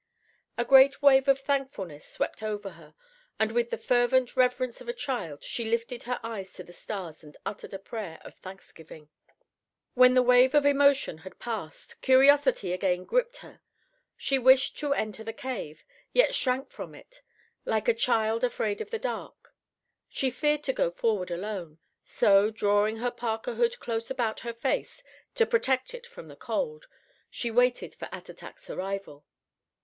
A great wave of thankfulness swept over her, and with the fervent reverence of a child, she lifted her eyes to the stars and uttered a prayer of thanksgiving. When the wave of emotion had passed, curiosity again gripped her. She wished to enter the cave, yet shrank from it. Like a child afraid of the dark, she feared to go forward alone. So, drawing her parka hood close about her face to protect it from the cold, she waited for Attatak's arrival.